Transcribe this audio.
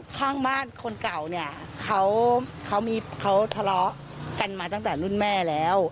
ข้างบ้านคนเก่าเนี่ยเขาทะเลาะกันมาตั้งแต่รุ่นแม่แล้ว